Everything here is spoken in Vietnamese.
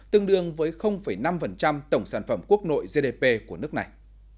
tương đương với năm tổng sản phẩm quốc nội gdp của nước này